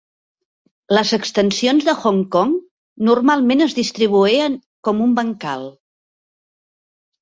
Les extensions de Hong Kong normalment es distribuïen com un bancal.